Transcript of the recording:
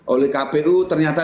oleh kpu ternyata